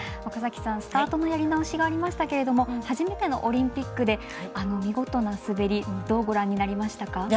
岡崎さん、スタートのやり直しがありましたけれども初めてのオリンピックであの見事な滑りどうご覧になりましたか？